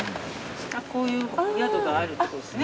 こういう宿があるってことですね。